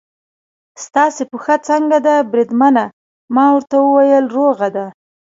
ستاسې پښه څنګه ده بریدمنه؟ ما ورته وویل: روغه ده.